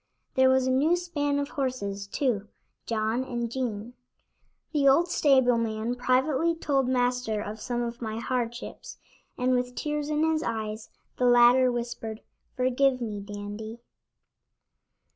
There was a new span of horses, too; John and Jean. The old stable man privately told Master of some of my hardships, and with tears in his eyes, the latter whispered: "Forgive me, Dandy."